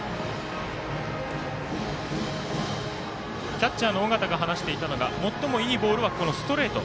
キャッチャーの尾形が話していたのは最もいいボールはこのストレート。